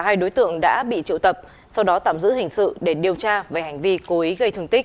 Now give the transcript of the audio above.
hai đối tượng đã bị triệu tập sau đó tạm giữ hình sự để điều tra về hành vi cố ý gây thương tích